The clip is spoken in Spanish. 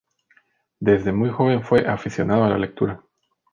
Desde muy joven fue aficionado a la lectura.